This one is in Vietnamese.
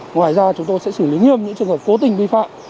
ngoài ra chúng tôi sẽ xử lý nghiêm những trường hợp cố tình vi phạm